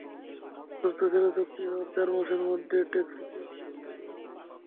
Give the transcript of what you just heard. শর্ত ছিল, চুক্তি হওয়ার চার মাসের মধ্যে ট্যাক্সিক্যাব রাস্তায় নামানো হবে।